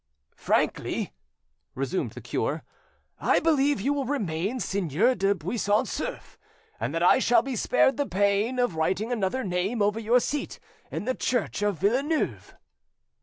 "Frankly," resumed the cure, "I believe you will remain Seigneur du Buisson Souef, and that I shall be spared the pain of writing another name over your seat in the church of Villeneuve."